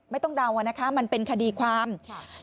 ไม่ต้องเดาว่านะคะมันเป็นคดีความครับ